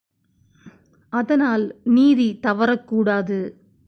அதனால் நீதி தவறக்கூடாது.